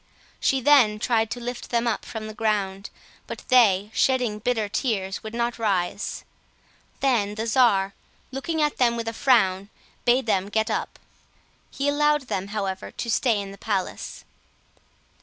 She then tried to lift them up from the ground, but they, shedding bitter tears, would not rise. Then the czar, looking at them with a frown, bade them get up; he allowed them, however, to stay in the palace.